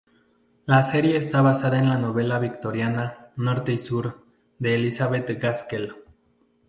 La serie está basada en la novela victoriana "Norte y Sur" de Elizabeth Gaskell.